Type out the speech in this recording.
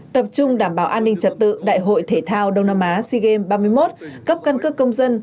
tập trung đảm bảo an ninh trật tự đại hội thể thao đông nam á sea games ba mươi một cấp căn cước công dân